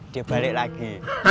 dia balik lagi